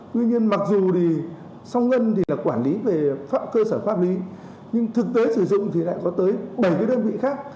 tuy nhiên mặc dù thì song ngân thì là quản lý về cơ sở pháp lý nhưng thực tế sử dụng thì lại có tới bảy cái đơn vị khác